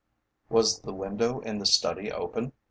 "Was the window in the study open?"